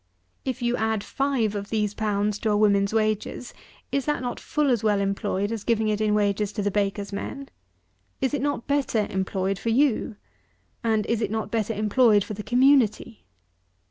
If you add five of these pounds to a woman's wages, is not that full as well employed as giving it in wages to the baker's men? Is it not better employed for you? and is it not better employed for the community?